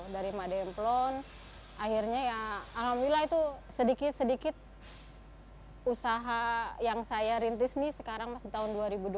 dari mak demplon akhirnya ya alhamdulillah itu sedikit sedikit usaha yang saya rintis nih sekarang mas di tahun dua ribu dua puluh